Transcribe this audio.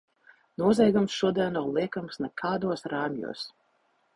Noziegums šodien nav liekams nekādos rāmjos.